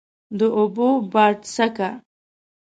د اوبو باډسکه،